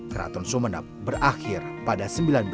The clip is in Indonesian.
keraton sumeneb berakhir pada seribu sembilan ratus sembilan puluh